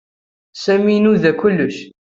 Sami inuda kullec.